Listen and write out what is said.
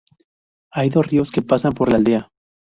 Hay dos ríos que pasan por la aldea.